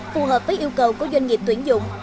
phù hợp với yêu cầu của doanh nghiệp tuyển dụng